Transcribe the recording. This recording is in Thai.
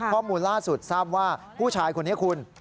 ข้อมูลล่าสุดทราบว่าผู้ชายคนนี้คุณ